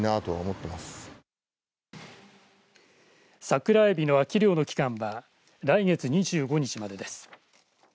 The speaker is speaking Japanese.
サクラエビの秋漁の期間は来月２５日までです。